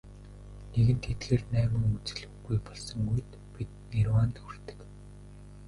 Нэгэнт эдгээр найман үзэл үгүй болсон үед бид нирваанд хүрдэг.